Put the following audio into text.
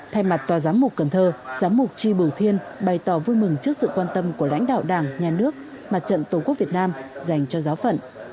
thay mặt tòa giám mục cần thơ giám mục tri bửu thiên bày tỏ vui mừng trước sự quan tâm của lãnh đạo đảng nhà nước mặt trận tổ quốc việt nam dành cho giáo phận